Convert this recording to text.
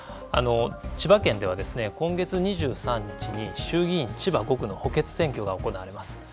千葉県では、今月２３日に衆議院千葉５区の補欠選挙が行われます。